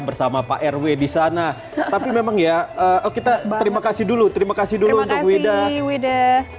bersama pak rw di sana tapi memang ya kita terima kasih dulu terima kasih dulu untuk wida wida